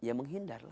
ya menghindar lah